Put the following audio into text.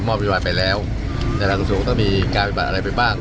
พอบริวารไปแล้วแต่ละกระทุกษ์ต้องมีการปฏิบัติอะไรไปบ้าง